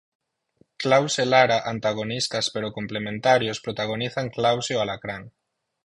Claus e Lara, "antagonistas pero complementarios", protagonizan 'Claus e o alacrán'.